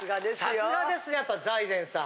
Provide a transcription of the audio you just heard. さすがですやっぱ財前さん。